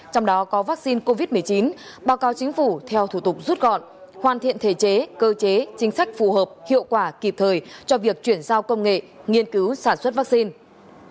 trong đó có vaccine covid một mươi chín báo cáo chính phủ theo thủ tục rút gọn hoàn thiện thể chế cơ chế chính sách phù hợp hiệu quả kịp thời cho việc chuyển giao công nghệ nghiên cứu sản xuất vaccine